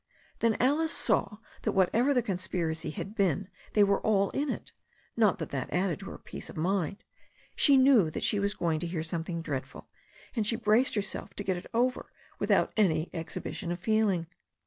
Then Alice saw that whatever the conspiracy had been they were all in it. Not that that added to her peace of THE STORY OF A NEW ZEALAND RIVER 105 mind. She knew that she was g^ing to hear something dreadful, and she braced herself to get it over without any exhibition of feeling.